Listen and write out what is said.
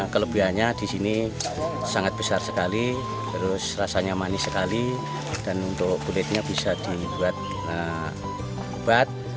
kelebihannya di sini sangat besar sekali terus rasanya manis sekali dan untuk kulitnya bisa dibuat obat